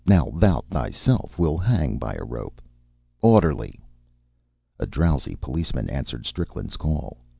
Now, thou thyself wilt hang by a rope. Orderly!" A drowsy policeman answered Strickland's call.